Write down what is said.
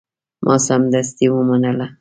ما سمدستي ومنله.